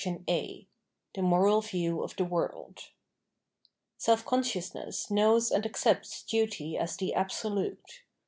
— 0 The lIoBAL View of the World Self conseioiisness knows and accepts duty as the Absolute.